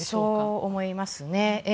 そう思いますね。